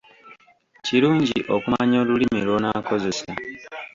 Kirungi okumanya olulimi lw'onaakozesa.